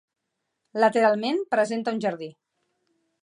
Lateralment presenta un jardí.